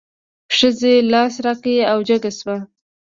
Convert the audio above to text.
ښځې لاس را کړ او جګه شوه.